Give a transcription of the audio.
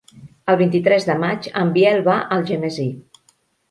El vint-i-tres de maig en Biel va a Algemesí.